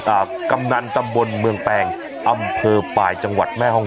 กำนันตำบลเมืองแปงอำเภอปลายจังหวัดแม่ห้อง